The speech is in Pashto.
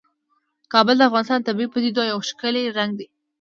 کابل د افغانستان د طبیعي پدیدو یو بل ښکلی رنګ دی.